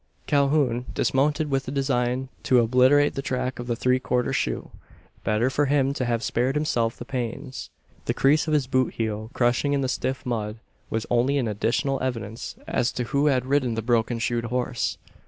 Calhoun dismounted, with the design to obliterate the track of the three quarter shoe. Better for him to have spared himself the pains. The crease of his boot heel crushing in the stiff mud was only an additional evidence as to who had ridden the broken shoed horse.